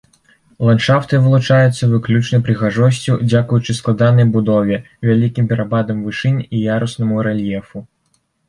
Ландшафты вылучаюцца выключнай прыгажосцю дзякуючы складанай будове, вялікім перападам вышынь і яруснаму рэльефу.